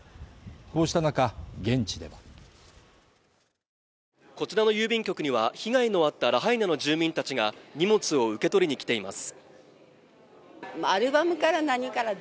こうした中現地ではこちらの郵便局には被害のあったらラハイナの住民たちが荷物を受け取りに来ています